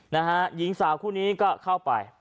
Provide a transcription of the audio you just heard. นะฮะหญิงสาวคู่นี้ก็เข้าไป